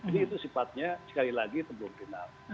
jadi itu sifatnya sekali lagi itu belum final